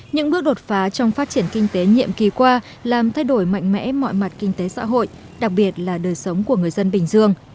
những bước đột phá trong phát triển kinh tế nhiệm kỳ qua làm thay đổi mạnh mẽ mọi mặt kinh tế xã hội đặc biệt là đời sống của người dân bình dương